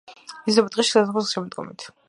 იზრდება ტყეში ზაფხულ-შემოდგომით.